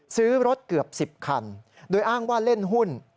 ซื้อรถเกือบ๑๐คันโดยอ้างว่าเล่นหุ้น